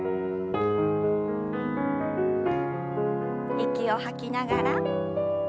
息を吐きながら戻して。